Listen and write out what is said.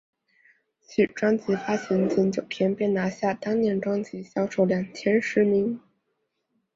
此专辑发行仅九天便拿下当年专辑销售量前十名。